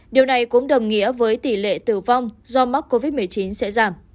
điều này cũng đồng nghĩa với tỷ lệ tử vong do mắc covid một mươi chín sẽ giảm